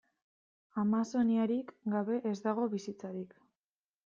Amazoniarik gabe ez dago bizitzarik.